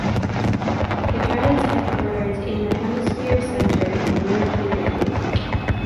It had its headquarters in the Hemisphere Center in Newark, New Jersey.